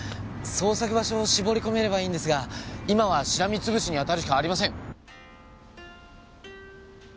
捜索場所を絞り込めればいいんですが今はしらみ潰しにあたるしかありません。